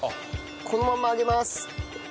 このまんまあげます。